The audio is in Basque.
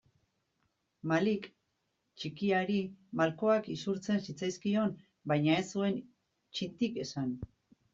Malik txikiari malkoak isurtzen zitzaizkion baina ez zuen txintik esan.